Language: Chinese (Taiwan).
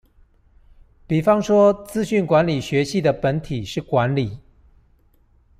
比方說「資訊管理學系」的本體是管理